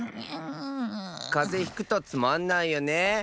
かぜひくとつまんないよね。